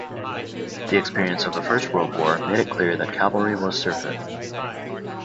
The experience of the First World War made it clear that cavalry was surfeit.